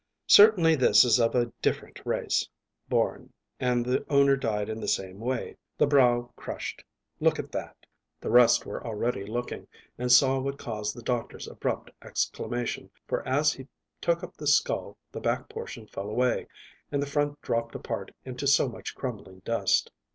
"Certainly this is of a different race, Bourne, and the owner died in the same way, the brow crushed. Look at that." The rest were already looking, and saw what caused the doctor's abrupt exclamation, for as he took up the skull the back portion fell away and the front dropped apart into so much crumbling dust.